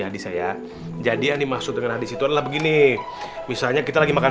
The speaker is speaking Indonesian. adik saya jadi yang dimaksud dengan adik itu adalah begini misalnya kita lagi makan